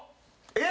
えっ？